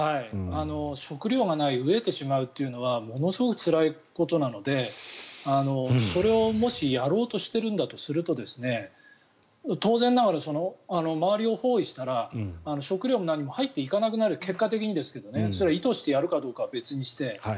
食糧がない飢えてしまうというのはものすごくつらいことなのでそれをもしやろうとしているんだとすると当然ながら、周りを包囲したら食料も何も入っていかなくなる結果的にですがそれは意図してやるかどうかは別にして。